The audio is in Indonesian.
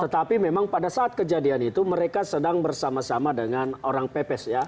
tetapi memang pada saat kejadian itu mereka sedang bersama sama dengan orang pepes ya